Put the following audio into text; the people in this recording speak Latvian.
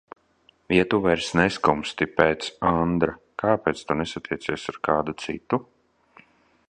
Ja tu vairs neskumsti pēc Andra, kāpēc tu nesatiecies ar kādu citu?